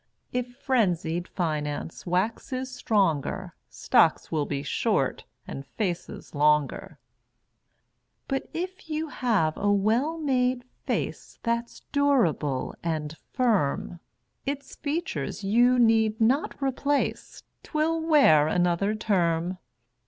If Frenzied Finance waxes stronger Stocks will be "short" and faces longer. But if you have a well made face That's durable and firm, Its features you need not replace 'Twill wear another term.